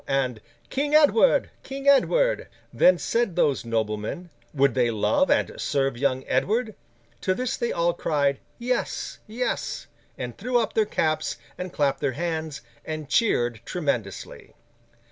and 'King Edward! King Edward!' Then, said those noblemen, would they love and serve young Edward? To this they all cried, 'Yes, yes!' and threw up their caps and clapped their hands, and cheered tremendously.